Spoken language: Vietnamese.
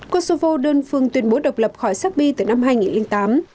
kosovo đơn phương tuyên bố độc lập khỏi serbia từ năm hai nghìn tám